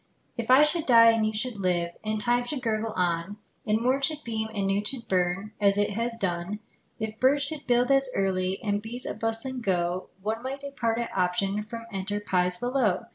If I should die, And you should live, And time should gurgle on, And morn should beam, And noon should burn, As it has usual done; If birds should build as early, And bees as bustling go, One might depart at option From enterprise below!